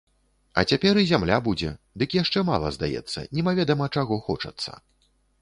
А цяпер і зямля будзе, дык яшчэ мала здаецца, немаведама чаго хочацца.